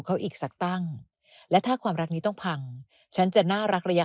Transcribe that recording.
เขาอีกสักตั้งและถ้าความรักนี้ต้องพังฉันจะน่ารักระยะ